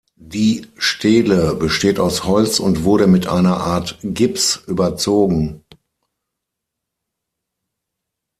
Die Stele besteht aus Holz und wurde mit einer Art Gips überzogen.